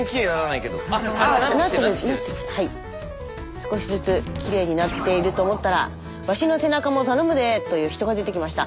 少しずつきれいになっていると思ったら「ワシの背なかもたのむで！」という人が出てきました。